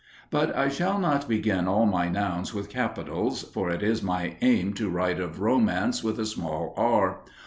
But I shall not begin all my nouns with capitals, for it is my aim to write of romance with a small "r."